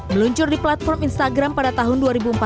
meluncur di platform instagram pada tahun dua ribu empat belas